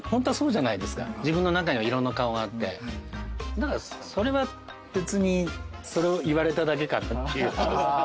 だからそれは別にそれを言われただけかっていう。